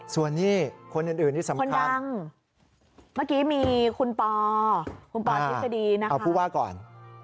ส่วนนี้คนอื่นที่สำคัญเมื่อกี้มีคุณปอคุณปอทฤษฎีนะคะเอาผู้ว่าก่อน